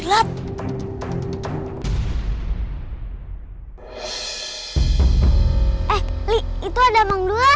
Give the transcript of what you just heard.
emang bubur itu emang berubah